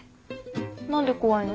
何で怖いの？